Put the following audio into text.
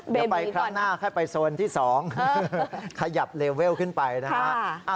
เดี๋ยวไปครั้งหน้าค่อยไปโซนที่๒ขยับเลเวลขึ้นไปนะฮะ